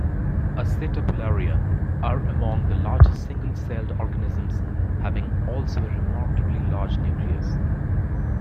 "Acetabularia" are among the largest single-celled organisms, having also a remarkably large nucleus.